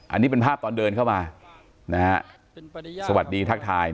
อันนี้เป็นภาพตอนเดินเข้ามาสวัสดีทักทาย